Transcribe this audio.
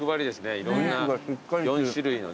いろんな４種類のね。